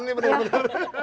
itu bergaya berbaperan nih